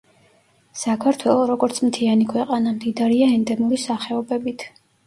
საქართველო, როგორც მთიანი ქვეყანა, მდიდარია ენდემური სახეობებით.